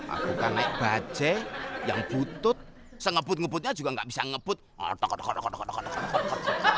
aku kan naik bajek yang butut sengebut ngebutnya juga nggak bisa ngebut tok tok tok tok